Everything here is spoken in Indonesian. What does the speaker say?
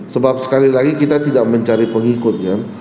sebab sekali lagi kita tidak mencari pengikutnya